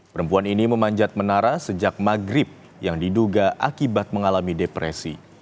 perempuan ini memanjat menara sejak maghrib yang diduga akibat mengalami depresi